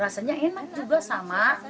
rasanya enak juga sama